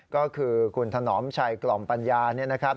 ก็คือคุณถนอมชัยกล่อมปัญญาเนี่ยนะครับ